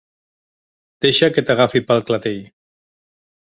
Deixa que t'agafi pel clatell.